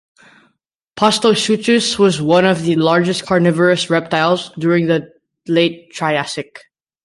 "Postosuchus" was one of the largest carnivorous reptiles during the late Triassic.